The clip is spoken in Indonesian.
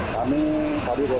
kami tadi baru